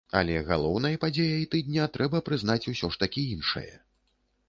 Але галоўнай падзеяй тыдня трэба прызнаць усё ж такі іншае.